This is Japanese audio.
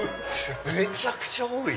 めちゃくちゃ多い！